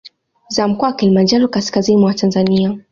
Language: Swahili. Za Mkoa wa Kilimanjaro Kaskazini mwa Tanzania